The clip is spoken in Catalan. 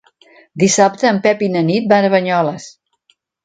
Dissabte en Pep i na Nit van a Banyoles.